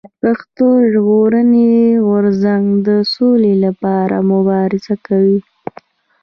پښتون ژغورني غورځنګ د سولي لپاره مبارزه کوي.